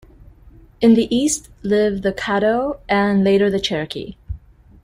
In the East lived the Caddo and later the Cherokee.